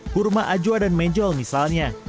kurma ajwa dan mejol misalnya